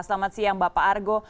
selamat siang bapak argo